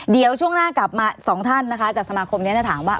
เดี๋ยวช่วงหน้ากลับมาสองท่านนะคะจากสมาคมนี้จะถามว่า